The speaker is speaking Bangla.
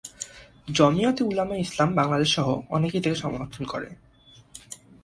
জমিয়তে উলামায়ে ইসলাম বাংলাদেশ সহ অনেকেই তাকে সমর্থন করে।